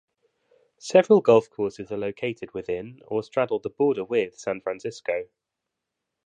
Several golf courses are located within or straddle the border with San Francisco.